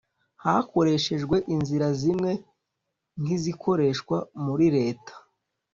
hakoreshejwe inzira zimwe nk izikoreshwa muri leta